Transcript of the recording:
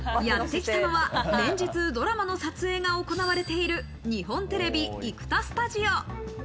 やってきたのは、連日、ドラマの撮影が行われている日本テレビ生田スタジオ。